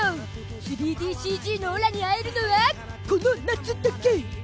３ＤＣＧのオラに会えるのはこの夏だけ！